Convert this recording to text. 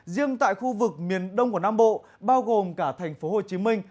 riêng tại khu vực miền đông của nam bộ bao gồm cả thành phố hồ chí minh